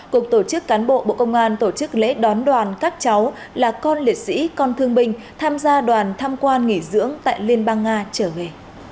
cục tổ chức cán bộ bộ công an tổ chức lễ đón đoàn các cháu là con liệt sĩ con thương binh tham gia đoàn tham quan nghỉ dưỡng tại liên bang nga trở về